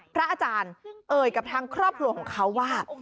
พระอาจารย์เอ่ยกับทางครอบครัวของเขาว่า